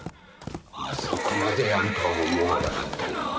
あそこまでやるとは思わなかったなぁ。